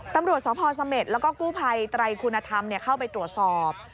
ตำรวจสพเสม็ดแล้วก็กู้ภัยไตรคุณธรรมเข้าไปตรวจสอบ